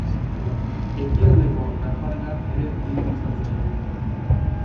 Ekialdeko nafarrera ere deitu izan zaio.